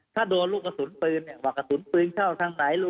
ถ้าโดนลูกกระสุนปืนเนี่ยว่ากระสุนปืนเข้าทางไหน